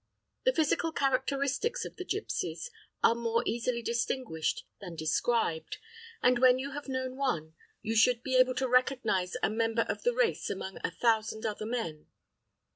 The physical characteristics of the gipsies are more easily distinguished then described, and when you have known one, you should be able to recognise a member of the race among a thousand other men.